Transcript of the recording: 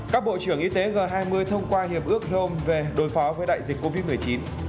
các bộ trưởng y tế g hai mươi thông qua hiệp ước nhom về đối phó với đại dịch covid một mươi chín